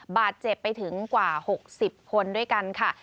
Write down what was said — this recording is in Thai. บาดเจ็บไปถึงกว่า๖๐คนด้วยกันค่ะ